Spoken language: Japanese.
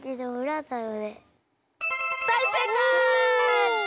だいせいかい！